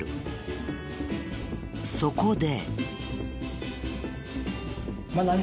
そこで。